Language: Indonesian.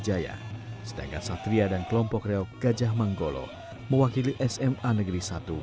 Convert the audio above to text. cara melapih otot leher di gikwet gimana